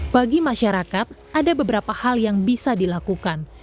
bagi masyarakat ada beberapa hal yang bisa dilakukan